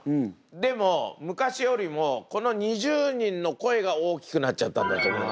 でも昔よりもこの２０人の声が大きくなっちゃったんだと思います。